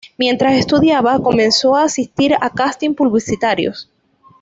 Mientras estudiaba, comenzó a asistir a casting publicitarios.